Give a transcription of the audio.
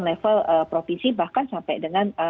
level provinsi bahkan sampai dengan